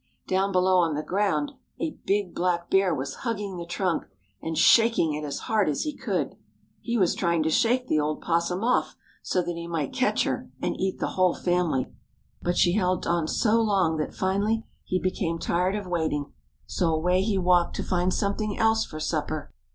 Down below on the ground a big black bear was hugging the trunk and shaking it as hard as he could. He was trying to shake the old opossum off so that he might catch her and eat the whole family. But she held on so long that finally he became tired of waiting. So away he walked to find something else for supper.